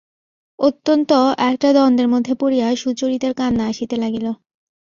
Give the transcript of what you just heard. অত্যন্ত একটা দ্বন্দ্বের মধ্যে পড়িয়া সুচরিতার কান্না আসিতে লাগিল।